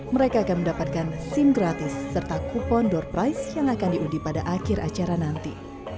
mereka akan mendapatkan sim gratis serta kupon door price yang akan diundi pada akhir acara nanti